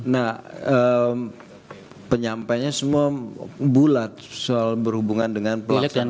nah penyampainya semua bulat soal berhubungan dengan pelaksanaan